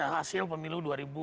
hasil pemilu dua ribu sembilan belas